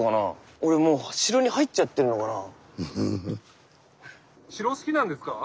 俺もう城に入っちゃってんのかなあ。